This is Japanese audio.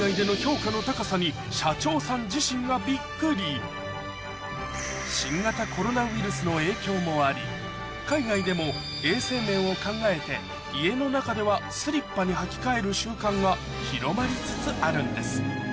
社長さん自身がの影響もあり海外でも衛生面を考えて家の中ではスリッパに履き替える習慣が広まりつつあるんです